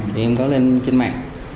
thì em có lên trên mạng